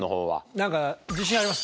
なんか自信あります